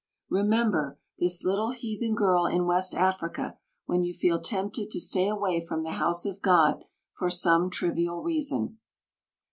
Remember this little heathen girl in west Africa when you feel tempted to stay away from the house of God for some trivial reason.